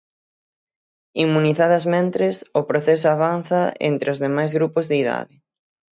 Inmunizadas Mentres, o proceso avanza entre os demais grupos de idade.